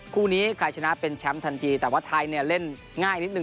คู่นี้ใครชนะเป็นแชมป์ทันทีแต่ว่าไทยเนี่ยเล่นง่ายนิดนึ